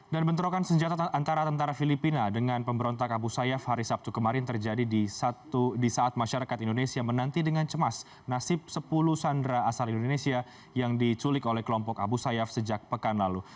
dan bentrokan senjata antara tentara filipina dengan pemberontak abu sayyaf hari sabtu kemarin terjadi di saat masyarakat indonesia menanti dengan cemas nasib sepuluh sandera asal indonesia yang diculik oleh kelompok abu sayyaf sejak pekan lalu